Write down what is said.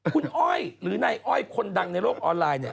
คุณอ้อยหรือนายอ้อยคนดังในโลกออนไลน์เนี่ย